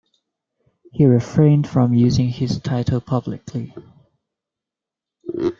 He refrained from using his title publicly.